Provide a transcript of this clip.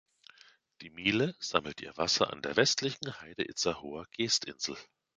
Die Miele sammelt ihr Wasser an der westlichen Heide-Itzehoer Geestinsel.